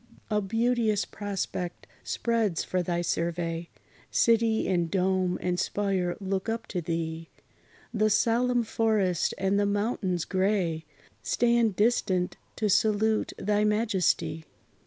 A beauteous prospect spreads for thy survey; City and dome, and spire look up to thee: The solemn forest and the mountains gray Stand distant to salute thy majesty.